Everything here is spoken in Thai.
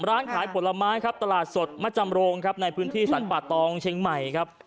ร้านขายผลไม้ครับตลาดสดมะจำโรงครับในพื้นที่สรรป่าตองเชียงใหม่ครับ